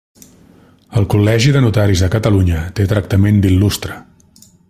El Col·legi de Notaris de Catalunya té tractament d'il·lustre.